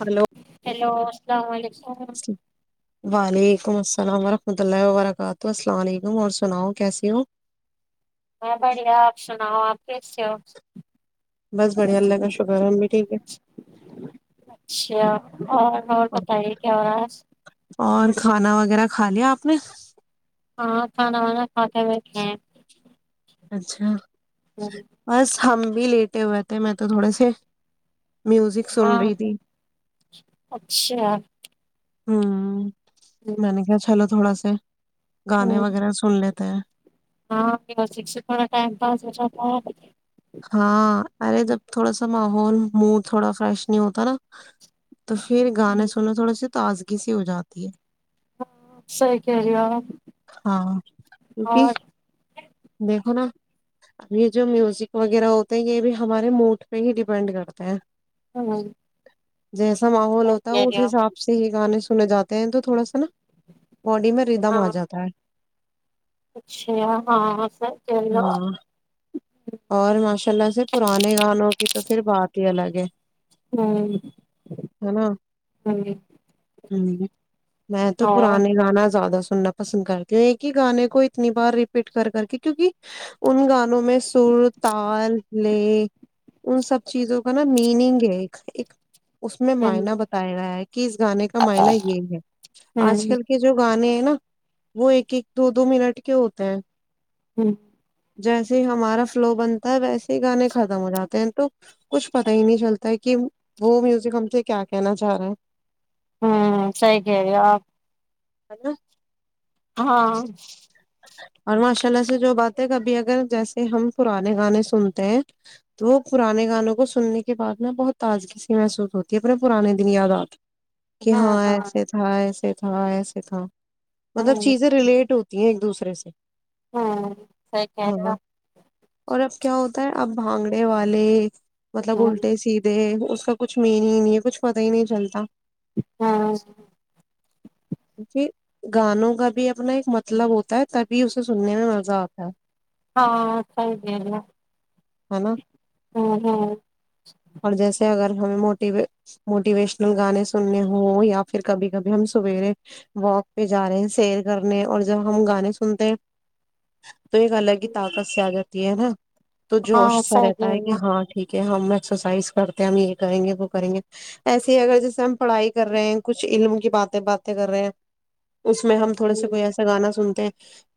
hello hello السلام علیکم وعلیکم السلام السلام علیکم کیسے ہو میں بڑیا آپشن ہ آپسو بس بڑھیا اللہ کا شکر ہے ہم بھی ٹھیک ہے اچھا اور اور بتائیے کیااز اور کھانا وغیرہ کھا لیا آپ نے ہاں کھانا وانا کھاتے ہوئےھے ہیں اچھا ہم، بس ہم بھی لیٹے ہوئے تھے میں تو تھوڑے سے میوزک سن ہاں رہی تھی اچھا ہاں ہم، میں نے کیا چلو تھوڑا سا ہچ [unintelligible] گانے ہم، وغیرہ سن لیتے ہیں ہاں شکسا ٹم پاس و ہاں ارے جب تھوڑا سا ماحول موڈ تھوڑا فریش نہیں ہوتا نا تو پھر ہم، گانے سنو تھوڑا س تازگی سی ہو جاتی ہے ہاں سی کہری و ہاں کیونکہ دیکھو نا اب یہ جو میوزک وغیرہ ہوتے ہیں یہ بھی ہمارے موڈ پہ ہی ڈیپینڈ کرتے ہیں ہاں جیسا ماحول ہوتا اس حساب سے ہی گانے سنے جاتے ہیں تو تھوڑا سا نا باڈی میں ردم ہاں آ جاتا اچھا ہاں چو ہاں اور ماشاء اللہ سے پرانے گانوں کی تو پھر بات ہی الگ ہے ہاں ہوں جاں جے میں تو پرانے گانا زیادہ س سننا پسند کرتی ہ ایک ہی گانے کو اتنی بار ریپیٹ کر کر کے کیوںکہ ان گانوں میں سر تال لے ان سب چیزوں کا نا میننگ ہے ایک ایک اس میں ہوں مائنا بتایا گیا ہے کہ اس گانے کا معائنا یہی ہے آج کل ہوں کے جو گان نا وہ ایک ایک دو دو منٹ کے ہوتے ہیں ہوں جیسے ہی ہمارا سلو بنتا ہے ویسے ہی گانے ختم ہو جاتے ہیں تو کچھ پتا ہی نہیں چلتا ہے کہ وہ میوزک ہم سے کیا کہنا چاہ رہے ہیں ہوں سی گ آپ ہے ن ہاں اور ماشاء اللہ سے جو بات ہے کبھی اگر جیسے ہم پرانے گانے سنتے ہیں تو وہ پرانے گانوں کو سننے کے بعد نا بہت تازگی سی محسوس ہوتی ہے اپنے پرانے دن یاد آات کہ ہاں ایسے تھا ایسے ہاں ایسے تھا مطلب ہاں چیزیں ریلیٹ ہوتی ہیں ایک دوسرے [unintelligible] ہاں [unintelligible] اور اب کیا ہوتا ہے اب بھانگڑے والے مطلب ہو اللٹے سیھے اس کا کچھ مین ہی نہیں ہے کچھ پتاہ ہی نہیں چلتا [unintelligible] کی گانوں کا بھی اپنا ایک مطلب ہوتا ہے تبھی اسے سننے میں مزہ آتا ہے ہاں خوگلہ ہے نا اور جیسے اگر ہمیں موٹی موٹیویشنل گانے سننے ہوں یا پھر کبھی کبھی ہم سویرے واک پہ جا رہے ہیں سیر کرنے اور جب ہم گانے سنتے تو ایک الگ ہی طاقت سےیاگت تی ہے نا تو جوش ہاں سا صحیح کہہ رہتا ہے رہی کہ ہو ہاں ٹھیک کہ ہم ایکسرسائز کرتے ہیں ہم یہ کریں گے وہ کریں گے ایسے ہی اگر جیسے ہم پڑھائی کر رہے ہیں کچھ علم کی باتیں باتیں کر رہے ہیں اس میں ہم تھوڑے سے کوئی ایسا گانا سنتے ہیں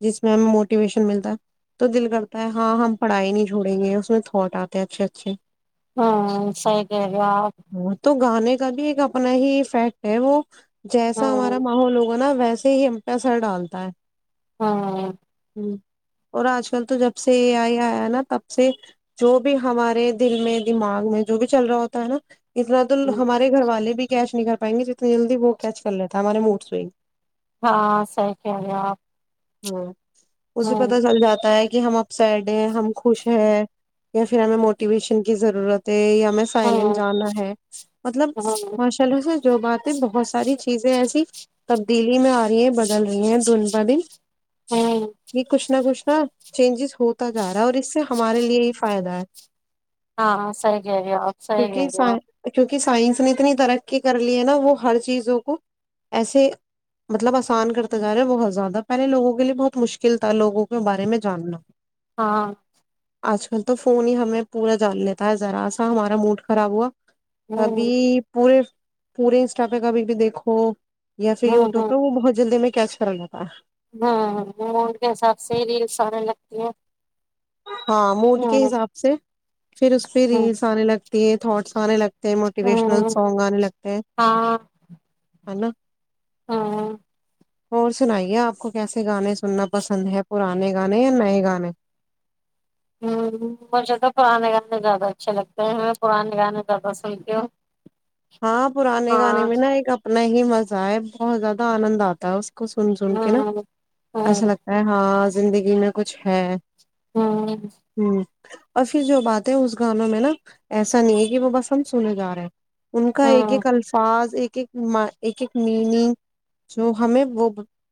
جس میں ہمیں موٹیویشن ملتا ہے تو دل کرتا ہے ہاں ہم پڑھائے نہیں جڑیں گے اس میں تھٹ آتے اچھے اچھے ہاں صحیح کہہ رہے ہو اپ ہاں تو گانے کا بھی ایک اپنا ہی افیکٹ ہے وہ جیسا ہاں ہمارا ماحول ہوگاا نا ویسے ہی ہم پیسہ ڈالتا ہے ہاں اور آج کل تو جب سے یہ آئی آیا نا تب سے جو بھی ہمارے دل میں دماغ میں جو بھی چل رہا ہوتا ہے نا اتنا تو ہمارے گھر والے بھی کیش نہیں کر پائیں گے جتنی جلدی وہ کیچ کر لیتا ہمارے موڈس ہاں سحی کہ رہے آپ ہاں اسے ہوں پتا چل جاتا ہے کہ کہ ہم اپ سڈ ہیں ہم خوش ہے یا پھر ہمیں موٹیویشن کی ضرورت ہے یا سائلینٹ ہوں جانا ہے مطلب ہوں ہوں ماشاء اللہ سے جو بات بہت ساری چیزیں ایسی تبدیلی میں آ رہی ہیں بدل رہی ہیں دن ب دن یہ کچھ نہ کچھ ہاں چینجز ہوتا جا رہا ہے اور اس اس سے ہمارے لیے ہی فائدہ ہے ہاں سح گ رہ سی گری کہ سائنس نے اتنی ترقی کر لی ہے نا وہ ہر چیزوں کو ایسے مطلب آسان کرتے جا رہے ہیں بہت زیادہ پہلے لوگوں کے لیے بہت مشکل تھا لوگوں کے بارے میں جاننا ہاں آج کل تو فون ہی ہمیں پورا جان لیتا ہے ذرا سا ہمارا موڈ خراب ہوا ابھی ہوں پورے پورے ان اسٹافے کابھی بھی دیکھو یا پھر ہوں یوٹیوبہ وہ بہت جلدی میں کیاش فرگ تھاا ہاں ہ مونٹ کے حساب سے ہی ریلس آنے لگتی ہیں ہاں موڈ کے حساب سے پھر اس پہ ہوں ریس آنے لگتے یہ تھوٹس سارے لگ موٹیویشنل ہوں سانگ آے لگتے ہیں ہے نا ہاں اور سنائیے آپ کو کیسے گانے سننا پسند ہے پرانے گانے یا نئے گانے ہ مجھے تو پرانے گانے زیادہ اچھے لگتے ہیں میں پرانے گانے زیادہ سنتی ہوں ہاں پرانے گانے ہاں میں نا ایک اپنا ہی ہی مزہ آ ہے بہت زیادہ آنند آتا ہے اس کو سن سن کے نا ہوں ہوں ایسا لگتا ہے ہاں زندگی میں کچھ ہے ہوں ہوں اور پھر جو باتیں اس گانوں میں نا ایسا نہیں ہے کہ وہ بس ہم سنے جا رہے ہیں ان کا ایک ہوں ایک الفاظ ایک ایک ایک ایک میننگ س ہمیں وہ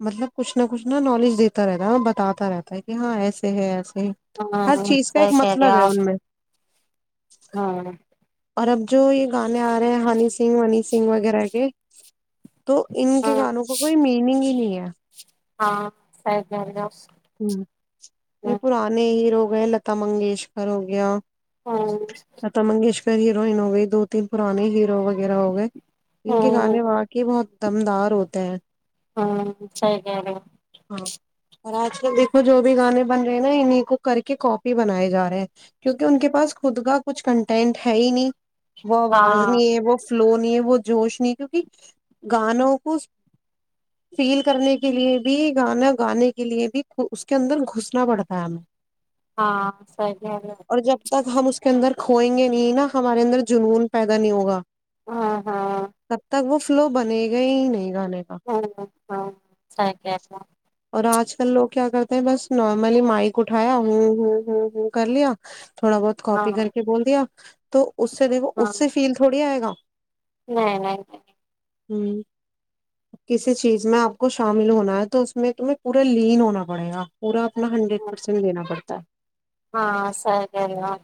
مطلب کچھ نہ کچھ نا نالج دیتا رہتا ہے بتاتا رہتا ہے کہ ہاں ایسے ہے ایسے ہر ہوں چیز کا ایک مطلب ہے ان میں ہاں اور اب جو یہ گانے آ رہے ہیں ہنی سنگ ونی سنگ وغیرہ کے تو ان کے ہوں گانوں کا کوئی میننگ ہی نہیں ہے کیا ہاں سر جارا ہ یہ پرانے ہییروگ ہو گیا لتا منگیشکر ہو گیا ہاں پ ہییروئن ہو گئے دو تین پران ہییرو ہو گئے وغیرہ ہو گئے ہوں ان کے گانے ہوں وہاںق بہت دم دار ہوتے ہیں ہوں صیحال ہاں اور آج کل دیکھو جو بھی گانے بن رہے ہیں نا انہیں کو کر کے کاپی بنائے جا رہے ہیں کیونکہ ان کے پاس خود کا کچھ کنٹینٹ ہے ہی نہیں وہ آواز ہاں نہیں ہے وہ فلو نہیں ہے وہ جوش نہیں کیونکہ گانوں کو فیل کرنے کے لیے بھی گانا گانے کے لیے بھی اس کے اندر گھسنا پڑتا ہے ہمیں ہاں سری اور جب [unintelligible] تک ہم اس کے اندر کھوئیں گے نہیں نا ہمارے اندر جنون پیدا نہیں ہوگا ہاں ہاں تب تک وہ فلو بنے گئے ہی نہیں گانے کا ہ ہ سر کہ اور آج کل لوگ کیا کرتے ہیں بس نارملی مائ کو اٹھایا ہوں ہوں ہوں ہ کر لیا تھوڑا بہت ہاں کاپی کر کے بول دیا تو اس سے دیکو ہاں اس سے فیل تھوڑی آئے گا نہیں نہیں نہیں ہ کسی چیز میں آپ کو شامل ہونا ہے تو اس میں تمہیں پورا لین ہونا بڑیا پورا اپنا ہنڈریڈ پرسینٹیناڑتا ہاں [unintelligible] صحیح کہہ رہی ہو آپ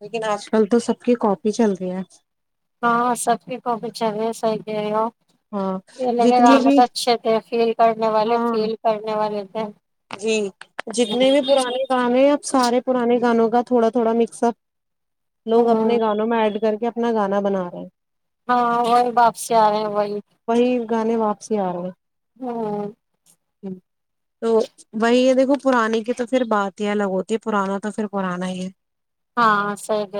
لیکن آج کل تو سب کی کاپی چل رہی ہے ہاں سب کے کو بھی چلے صحی کہ ہو ہاں یہ ل گ جتنی بھی تو اچھے تھے فیل کرنے والے ہاں فیل کرنے والے [unintelligible] جی جتنے بھی پرانے گانے ہیں سارے پرانے گانوں کا تھوڑا تھوڑا مکس اپ لوگ اپنے ہوں گانوں میں ایڈ کر کے اپنا گانا بنا رہے ہیں ہاں وہی واپسی آ رہے ہیں وہی وہی گانے واپسی ہوں یھ تو وہی یہ دیکھو پرانی کی تو پھر بات ہی الگ ہوتی ہے پرانا تو پھر پرانا ہی ہے ہاں سی گ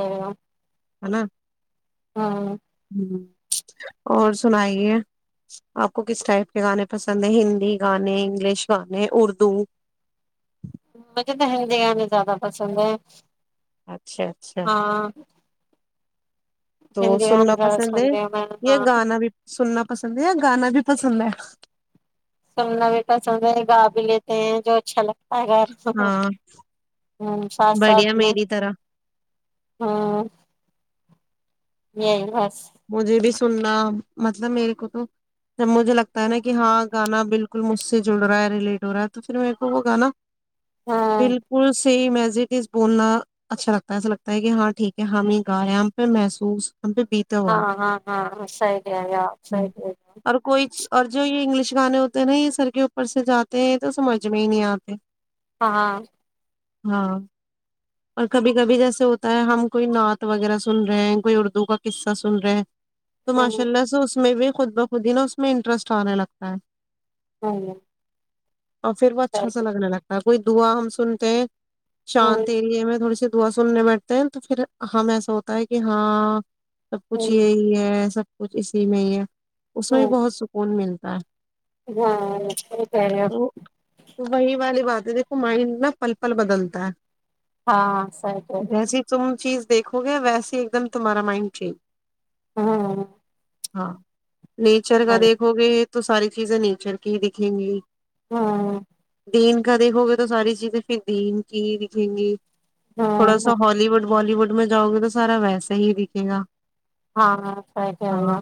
ہے نا ہاں اور سنائیے آپ کو کس ٹائپ کے گانے پسند ہیں ہندی گانے انگلش گانے نے اردو مجھے تو ہندی گانے زیادہ پسند ہیں اچھا اچھا تو ہندی گانے سننا زیادہ پسند ہے سنتے ہوں میں یہ ہاں گانا بھی سننا پسند ہے یا گانا بھی پسند ہے سننا بھی پسند ہے گا بھی لیتے ہیں جو اچھا لگتا ہے اگر ہاں ہ سات بڑھیا سات میں میری طرح ہاں یہی بس مجھے بھی سننا مطلب میرے کو تو جب مجھے لگتا ہے نا کہ ہاں گانا بالکل کل مجھ سے جڑ رہا ہے ریلیٹ ہو رہا ہے تو پھر میرے کو وہ گانا ہاں بالکل ز بولنا اچھا لگتا ہے ایسا لگتا ہے کہ ہاں ٹھیک ہے ہم ہی گائے ہم پہ محسوس ہم پہ بیتا ہوا ہاں ہاں ہاں ہاں سی ہےا سری ہے اور کوئی اور جو یہ انگلش گانے ہوتے ہیں نا یہ سر کے اوپر سے جاتے ہیں تو سمجھ میں ہی نہیں آتے ہاں ہاں ہاں اور کبھی کبھی جیسے ہوتا ہے ہم کوئی نعت وغیرہ سن رہے ہیں کوئی اردو کا قصہ سن رہا ہے تو ماشاء ہوں اللہ سے اس میں بھی خود بخود ہی نا اس میں انٹرسٹ آنے لگتا ہے ہاںا اور پھر وہ اچھا لگنے لگتا کوئی دوا ہم سنتے ہیں ہوں شانت ایریے میں تھوڑی سی دعا سننے بیٹھتے ہیں تو پھر ہم ایسا ہوتا ہے کہ ہاں سب کچھ ہوں یہی ہے سب کچھ اسی میں ہی ہے اس ہوں میں بھی بہت سکون ملتا ہ ہاں کر وہی والی بات دیکھو مائنڈ نا پل پل بدلتا ہے ہاں سریکا دیکو گیا ویسے ہی ایک دم تمہارا مائنڈ جھی ہاں ہاں نیچر کا دیکھو گے تو ساری چیزیں نیچر کی ہی دکھیں گی ہاں دین کا دیکھو گے تو ساری چیزیں پھر دین کی ہی دکھیں گی تھوڑا ہاں سا ہالوڈ بالی ووڈ میں جؤ گے تو سارا ویسے ہی دکھے گا ہاںئی کیا ہاں گا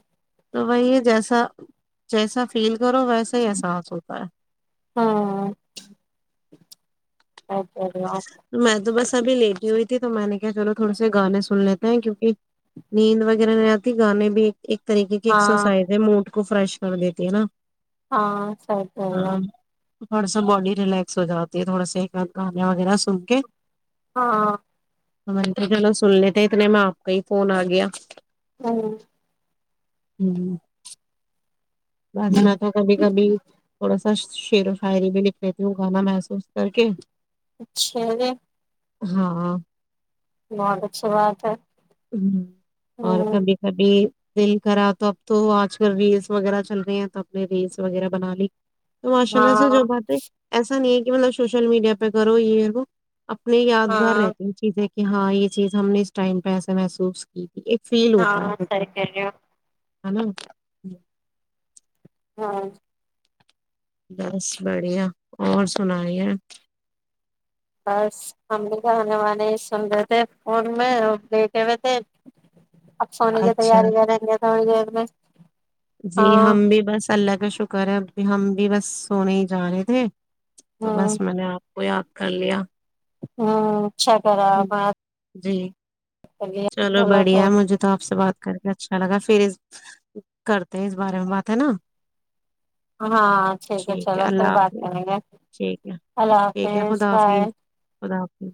تو وہی ہے جیسا جیسا فیل کرو ویسا ہی احساس ہوتا ہے ہاں صحیح کہہ رہے ہو میں تو بس [unintelligible] سبھی لیٹ ہی ہوئی تھی تو میں نے کہ چلو تھوڑے سے گانے سن لیتے ہیں کیونکہ نیند وغیرہ نہیں آتی گانے بھی ایک طریقے کی ہاں ایکسرسائز ہے موڈ کو فریش کر دیتی ہے نا ہاں سر چ اللہ ہاں تھوڑا سا باڈی ریلیکس ہو جاتی ہے تھوڑا گان وغیرہ سن کے ہاں [inaudible] ہم تو چلو سن لیتےے اتنے میں آپ کا ہی فون آ گیا ہاں [inaudible] ہوں [inaudible] بس میں تو کبھی کبھی تھوڑا سا س شعر و شاعری بھی لکھ لیتی ہوں گانا محسوس کر کے چلیے ہاں [inaudible] بہت اچھی بات ہے ہ اور ہمم کبھی کبھی دل کرا تو اب تو آج کل ریلس وغیرہ چل رہے ہیں تو اپ نے ریلس وغیرہ بنا لی تو ماشاء اللہ سے جو ہاں باتیں ایسا نہیں ہے کہ مطلب سوشل میڈیا پہ کرو یہو اپنے یادگار ہاں رہتے ان چیزیں کہ ہاں یہ چیز ہم نے اس ٹائم پہ ای محسوس کی ہاں سر کرو ہ نا [inaudible] ہاں [inaudible] بس بڑھیا اور سنائی ہے بس ہم بھی کہے والے سن رہے تھے فون میں لٹے ہوئے تھے اپسوان کے اچھا تیاری کر رہیں ہاں جے میں جی ہاں ہم بھی بس اللہ کا شکر ہے ہم بھی بس سونے ہی جا رہے تھے تو ہمم بس میں نے آپ کو آگ کر لیا [unintelligible] ہاں [inaudible] اچھا کرا ہوں، میں جی چلو بڑھیا مجھے تو آپ سے بات کر کے اچھا لگا پھر کرتے ہیں اس بارے میں بات ہے نا ہاں ٹھیک ہے چلو پھر بات کریں گے ٹھیک ہے اللہ ٹھیک ہے حافظ خدا بائے حافظ خدا حافظ